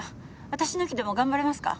私抜きでも頑張れますか？